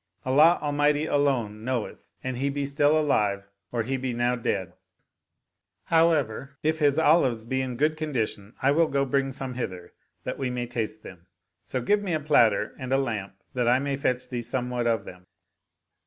Allah Al mighty alone knoweth an he be still alive or he be now dead ; however, if his olives be in good condition I will go bring some hither that we may taste them: so give me a platter and a lamp that I may fetch thee somewhat of them."